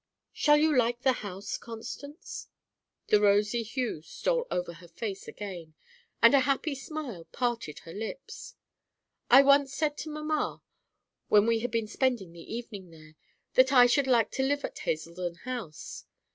Shall you like the house, Constance?" The rosy hue stole over her face again, and a happy smile parted her lips. "I once said to mamma, when we had been spending the evening there, that I should like to live at Hazeldon House.